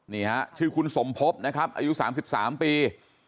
นี่ฮะชื่อคุณสมพบนะครับอายุ๓๓ปี